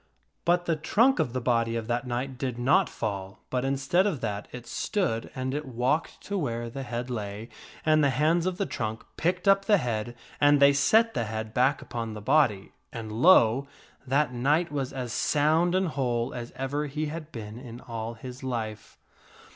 But the trunk of the body of that knight did not fall, but instead of that it stood, and it walked to where the head lay, and the hands of the trunk picked up the head and they set the head back upon the body, and, lo ! that knight was as sound and whole as ever he had been in all his life.